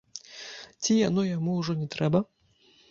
Ці яно яму ўжо не трэба?